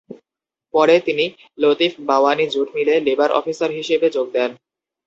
পরে তিনি লতিফ বাওয়ানী জুট মিলে লেবার অফিসার হিসেবে যোগ দেন।